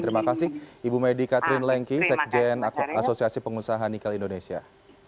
terima kasih ibu medi katrin lengki sekjen asosiasi pengusaha nikel indonesia